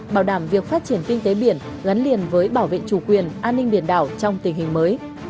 bảo đảm việc phát triển kinh tế biển gắn liền với bảo vệ chủ quyền an ninh biển đảo trong tình hình mới